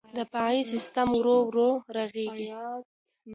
دفاعي سیستم ورو ورو رغېږي.